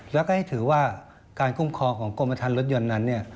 แล้วก็ให้ถือว่าการคุ้มครองของกรมฐานรถยนต์นั้น